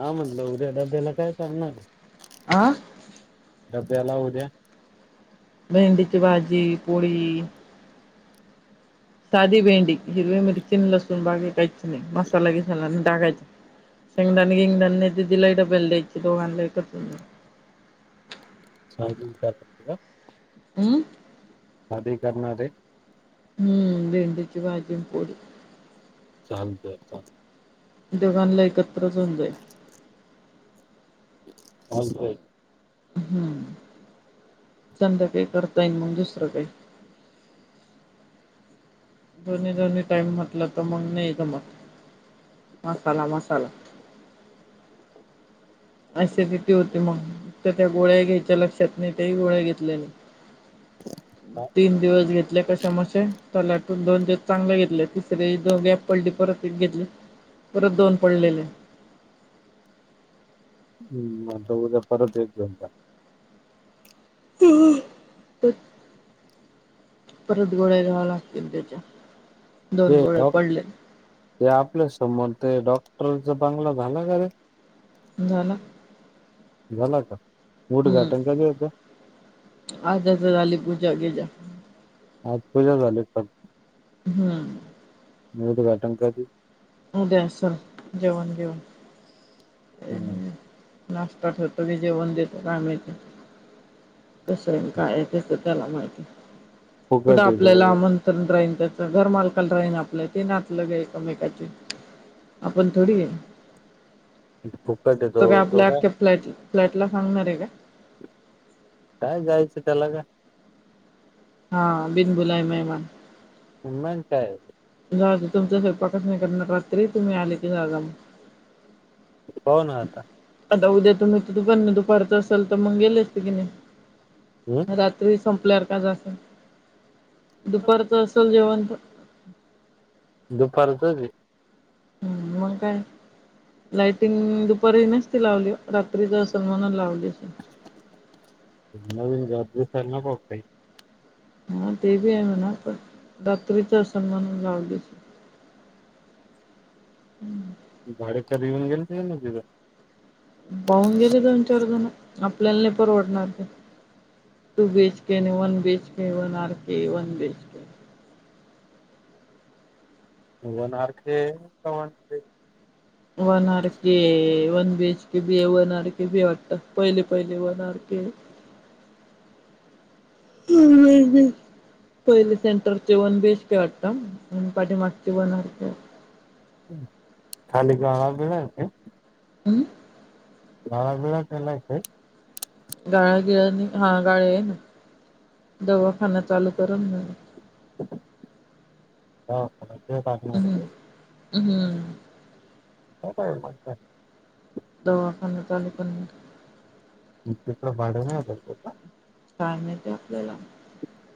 हा म्हटलं उद्या डब्याला काय करणार हे? आ डब्ब्याला उद्या. भेंडीची भाजी पोळी. साधी भेंडी हिरवे मिरचीन लसून बागे कायचनही मसाला बिसाला नाही टाकायचा. शेंगदाणे बिंग दाणे नाही दिदिलाय डब्याला द्यायचे दोघांना एकच.. [inaudible] आम् साधी करणार हे. हम्म भेंडीची भाजी न पोळी. चालत चाल. देघांना एकत्र होऊन जाईन [inaudible] हम्म, संध्याकाळी करता येईन मग दुसरं काही. दोन्ही दोन्ही टाईम म्हटंल तर मग नाही जमत. मसाला, मसाला. ऍसिडिटी होते मग त्या- त्या गोळ्या घ्यायच्या लक्षात नाही तेही गोळ्या घेतल्या मी. तीन दिवस घेतले कशा मसे. पलाटून दोन दिवस चांगले घेतले तिसर दोन गॅप पडले परत एक घेतले. परत दोन पडलेले. हम् आता उद्या परत एक घेतला. [unintelligible] परत गोळ्या घ्याव्या लागतील त्याच्या, हे दोन गोळ्या डॉक पडले ते आपले समोर ते डॉक् प्रवीणचा बंगला झाला का रे? झाला. झाला का. हम्म उद्घाटन कधी होतं आ आजच झाली पूजा बिजा आज पूजा झाली पण. हम् उदघाटन कधी उद्या असल जेवण -बिवण, नाश्ता ठेवतो की जेवण देतो काय माहिती. कसं आहे नि काय आहे त्याच. त्याला माहिती. कुठे फुकट येतो आपल्याला आमंत्रण राहीन. त्याच घरमालकाला राहीन आपलं. ते नातलंग आहे एकामेकाचे. आपण थोडी हे. तो काय आपल्या आख्ख्या फ्लॅट फ्लॅटला सांगणार आहे का? काय जायचं त्याला का हा बिनबुलाय मेहमान. मग काय. जा तुमचा सयंपाकच नाही करणार. रात्री तुम्ही आले की जागा मग. पाहू ना आता. आत्ता उद्या तूम्ही त दुपारचं असल तर मंग गेले असते की हम्म नाही. रात्री संप दुपारच असेल जेवण तर दुपारचज हे. हम्म मं काय? लाइटिंग दुपारी नस्ती लावली हो. रात्रीच असल म्हणुन लावली. असेल. नवीन जात दिसायल नको का काही. हा ते बी आहे म्हणा. पण रात्रीच्या हिशोबाने लावली. हम्म. भाडेकरी येऊन गेलते की नाही तिथं. पाहून गेले दोन-चार जण. आपल्याला नाही परवडणार ते. टू बी एच के नी one B H K. One R K. One B H K. One R K का one B H one R K. One बीच के बी हे वन आर केे बी हे वाटत. पहिले पहिले one R K हे. [inaudible] [unintelligible] पहिले सेंटर चे वन बी एच के है वाटत. पाठी मागचे वन आर के हाईत. खाली गाळा बिळा हे काय? अम्म गाळाबीळा केलाय काही? गाळा बिळा नही. हा गाळे आहे ना. दवाखाना चालू करन ना. हम्म [unintelligible] हम्म [unintelligible] दवाखान्यात आलो पण [unintelligible] काय माहिती आपल्याला.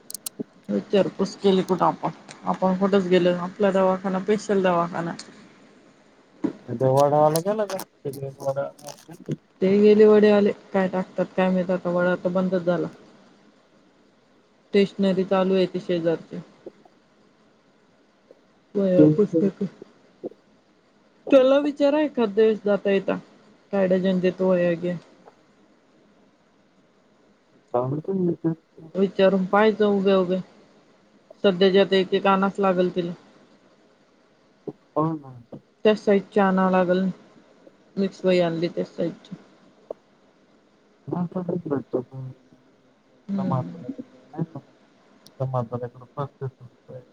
[inaudible] विचारपूस केली कुठं आपण. आपण कुठंच गेल नाही. आपला दवाखाना स्पेशल दवाखाना आहे. इथं वडावाला गेला का? ते गेले वडे वाले. काय टाकतात काय माहित आता. वडा तर बंदच झाला. स्टेशनरी चालू आहे ती शेजारची. वह्या पुस्तक. त्याला विचारा एखादं जाता येता. काय डजन देतो वह्या बिया. ताबडतोब निघतात. विचारून पाहायचं उभे उभे सध्याच्या आता एक एक अनास लागल तिला. हो ना. चहा आणाय लागल. मिक्स वई आणली त्या साईजची. [unintelligible] त्या हम्म माणसाकडे पस्तीस रुपये आहेत.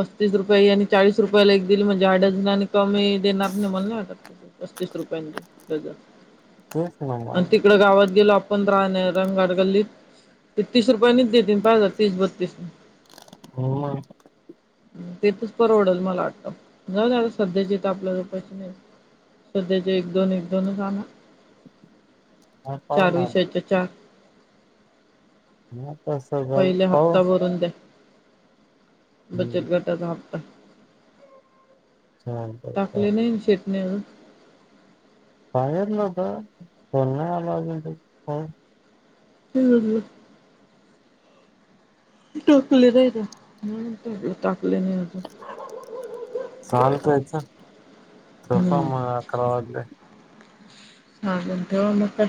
पस्तीस रुपये आणि चाळीस रुपयाला एक दिली म्हणजे अर्धा डझन आणि कमी देणार नाही मला नाही वाटत. पस्तीस रुपयांनी घ्या डझन. तेच ना आणि मग. तिकड गावात गेलो आपण राहण रंगघाट गल्लीत ते तीस रुपया निच देतील तीस बत्तीस हो. तेथच परवडल मला वाटत जा सध्याच्या आपल्याजवळ पैसे नाहीत. सध्याचे एक दोन एक दोन च आना. काय पाहू चार ना आता. विषयाच्या चार मग कसं जाईल पहिल्या पाहू. हप्ता भरून द्या. हम्म. बचत गटाचा हप्ता. छान करता. नऊ. पाणीच नव्हतं उन्हाळा हाय अजून काही हम्म हम्म. टुकली रा हम्म. हम. चालत जायचं झोपूया हम्म. मग अकरा वाजले. हां गुंठेवर मग काय?